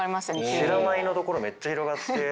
「知らない」のところめっちゃ広がって。